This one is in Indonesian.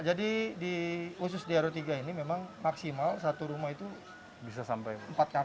khusus di rw tiga ini memang maksimal satu rumah itu bisa sampai empat km